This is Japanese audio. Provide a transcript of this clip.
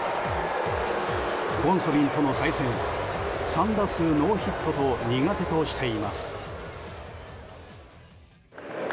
ゴンソリンとの対戦は３打数ノーヒットと苦手としています。